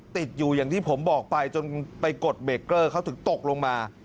ติดอยู่อย่างที่ผมบอกไปจนไปกดเบรกเกอร์เขาถึงตกลงมา